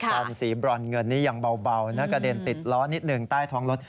ขวามสีบรันเงินนี่ยังบ่าวนะกระเด็นติดล้อนิดนึงใต้ท้องรถ